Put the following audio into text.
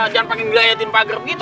jangan pake ngelayatin pak gerb gitu